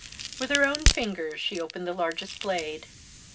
With her own fingers she opened the largest blade.